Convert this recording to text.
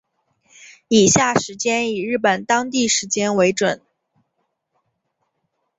以下时间以日本当地时间为准